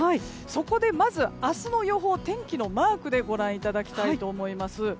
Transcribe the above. そこでまず明日の予報を天気のマークでご覧いただきたいと思います。